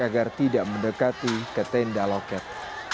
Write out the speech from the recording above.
agar tidak mendekati ketenda loket